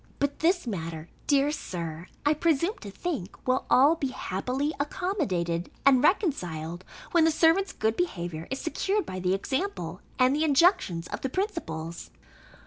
But this matter, dear Sir, I presume to think, will all be happily accommodated and reconciled, when the servants' good behaviour is secured by the example and injunctions of the principals.